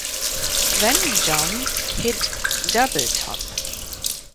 Then John hit double top.